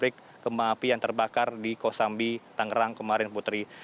kemah api yang terbakar di kosambi tangerang kemarin putri